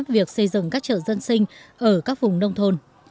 việc xây dựng các chợ dân sinh ở các vùng nông thôn